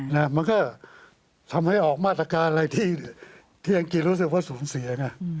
มันก็ทำให้ออกมาตรการอะไรที่ที่อังกฤษรู้สึกว่าสูญเสียไง